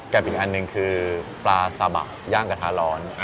อีกอันหนึ่งคือปลาซาบะย่างกระทะร้อน